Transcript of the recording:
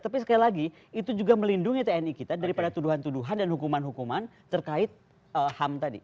tapi sekali lagi itu juga melindungi tni kita daripada tuduhan tuduhan dan hukuman hukuman terkait ham tadi